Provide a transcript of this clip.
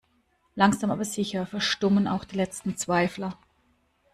Langsam aber sicher verstummen auch die letzten Zweifler.